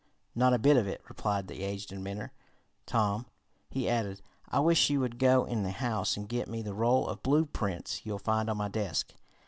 "Not a bit of it," replied the aged inventor. "Tom," he added, "I wish you would go in the house and get me the roll of blueprints you'll find on my desk."